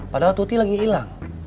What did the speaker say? padahal tuti lagi hilang